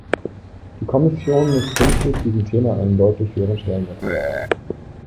Die Kommission muss künftig diesem Thema einen deutlich höheren Stellenwert einräumen.